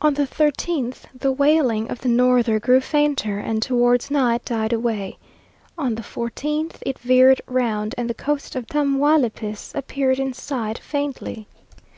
On the thirteenth the wailing of the norther grew fainter, and towards night died away. On the fourteenth it veered round, and the coast of Tamaulipis appeared in sight faintly.